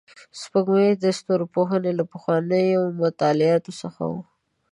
سپوږمۍ د ستورپوهنې له پخوانیو مطالعاتو څخه وه